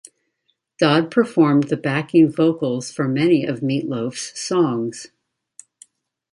Dodd performed the backing vocals for many of Meat Loaf's songs.